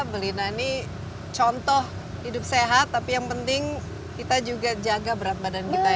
belina ini contoh hidup sehat tapi yang penting kita juga jaga berat badan kita ya